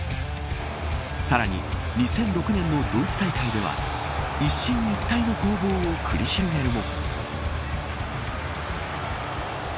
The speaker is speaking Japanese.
さらに２００６年のドイツ大会では一進一退の攻防を繰り広げるも。